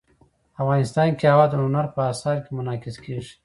افغانستان کې هوا د هنر په اثار کې منعکس کېږي.